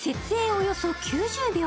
およそ９０秒。